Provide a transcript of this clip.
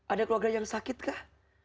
ada keluarga yang sakit kah